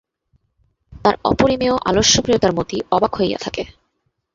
তার অপরিমেয় আলস্যপ্রিয়তায় মতি অবাক হইয়া থাকে।